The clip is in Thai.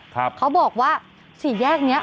เขาบอกว่าสี่แยกเนี้ย